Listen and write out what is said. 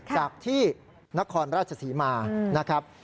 จากที่นครราชศรีมานะครับ